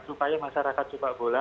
supaya masyarakat sepak bola